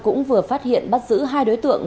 cũng vừa phát hiện bắt giữ hai đối tượng